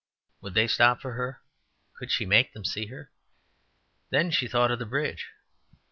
Would they stop for her? Could she make them see her? Then she thought of the bridge.